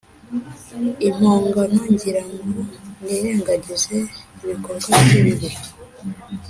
impongano ngira ngo nirengagize ibikorwa bye bibi